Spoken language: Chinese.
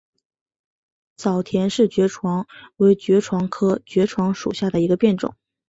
早田氏爵床为爵床科爵床属下的一个变种。